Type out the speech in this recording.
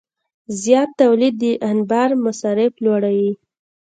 زیات تولید د انبار مصارف لوړوي.